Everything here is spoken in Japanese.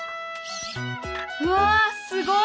うわすごい！